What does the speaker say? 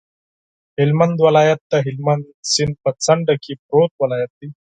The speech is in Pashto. هلمند ولایت د هلمند سیند په څنډه کې پروت ولایت دی.